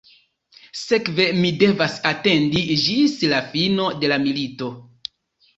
Sekve mi devas atendi ĝis la fino de la milito.